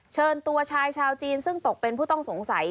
เชิญตัวชายชาวจีนซึ่งตกเป็นผู้ต้องสงสัย